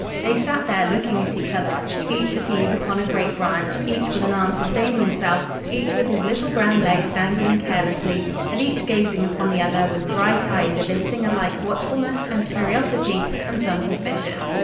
They sat there, looking at each other, each at ease upon a great branch, each with an arm sustaining himself, each with his little brown legs dangling carelessly, and each gazing upon the other with bright eyes evincing alike watchfulness and curiosity and some suspicion.